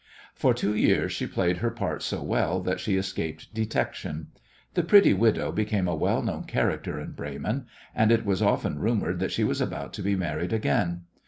For two years she played her part so well that she escaped detection. The "pretty widow" became a well known character in Bremen, and it was often rumoured that she was about to be married again.